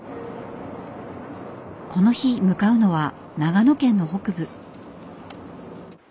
この日向かうのは長野県の北部。